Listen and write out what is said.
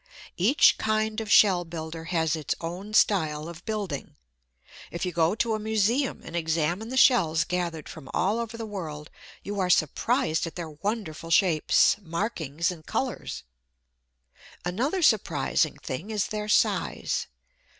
Each kind of shell builder has its own style of building. If you go to a museum and examine the shells gathered from all over the world, you are surprised at their wonderful shapes, markings and colours. Another surprising thing is their size.